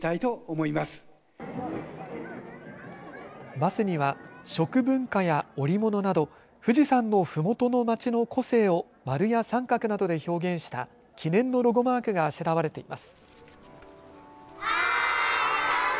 バスには食文化や織物など富士山のふもとの街の個性を丸や三角などで表現した記念のロゴマークがあしらわれています。